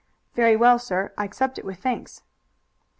"Very well, sir; I accept it with thanks."